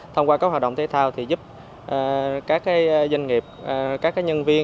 thông qua các hoạt động thể thao thì giúp các doanh nghiệp các nhân viên